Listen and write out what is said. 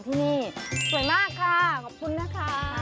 โทษค่ะ